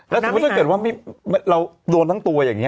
แล้วสมมุติถ้าเกิดว่าเราโดนทั้งตัวอย่างนี้